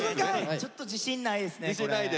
ちょっと自信ないですねこれ。